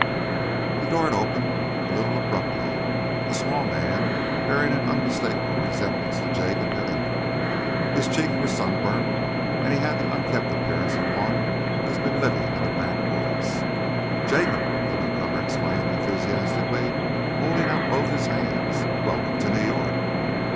The door had opened a little abruptly, and a small man, bearing an unmistakable resemblance to Jacob, had entered. His cheeks were sunburnt, and he had the unkempt appearance of one who has been living in the backwoods. "Jacob!" the newcomer exclaimed enthusiastically, holding out both his hands. "Welcome to New York!"